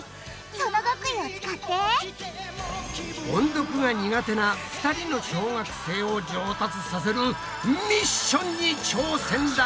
その極意を使って音読が苦手な２人の小学生を上達させるミッションに挑戦だ！